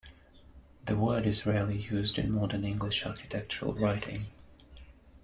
The word is rarely used in modern English architectural writing.